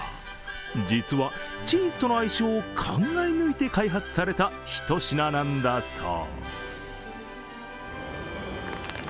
実はチーズとの相性を考え抜いて開発された一品なんだそう。